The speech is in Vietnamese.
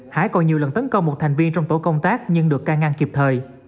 hải còn nhiều lần tấn công một thành viên trong tổ công tác nhưng được ca ngăn kịp thời